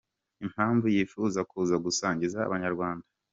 Impamvu yifuza kuza gusangiza Abanyarwanda.